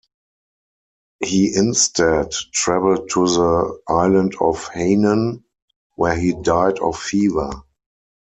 He instead travelled to the island of Hainan, where he died of fever.